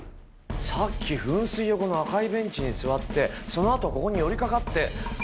さっき噴水横の赤いベンチに座ってその後ここに寄りかかって。